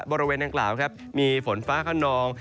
บริเวณอังกฬาวมีผลฟ้าขนอง